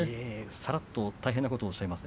さらっと大変なことをおっしゃいましたね。